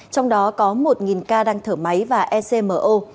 trong đó có một ca đang thở máy và ecmo